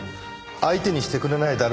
相手にしてくれないだろう